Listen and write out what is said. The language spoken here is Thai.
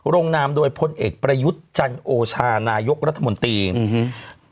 ลงนามโดยพลเอกประยุทธ์จันโอชานายกรัฐมนตรีอืม